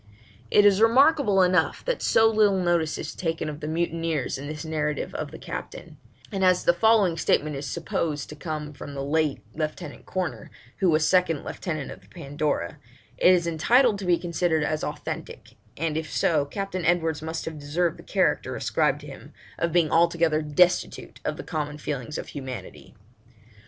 It is remarkable enough that so little notice is taken of the mutineers in this narrative of the captain; and as the following statement is supposed to come from the late Lieutenant Corner, who was second lieutenant of the Pandora, it is entitled to be considered as authentic, and if so, Captain Edwards must have deserved the character, ascribed to him, of being altogether destitute of the common feelings of humanity.